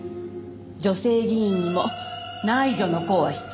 女性議員にも内助の功は必要よ。